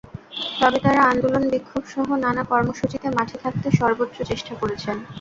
তবে তাঁরা আন্দোলন, বিক্ষোভসহ নানা কর্মসূচিতে মাঠে থাকতে সর্বোচ্চ চেষ্টা করেছেন।